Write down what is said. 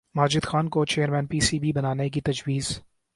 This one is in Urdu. ماجد خان کو چیئرمین پی سی بی بنانے کی تجویز